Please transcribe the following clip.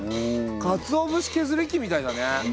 かつお節削り器みたいだね。